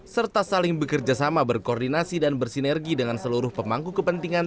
serta saling bekerja sama berkoordinasi dan bersinergi dengan seluruh pemangku kepentingan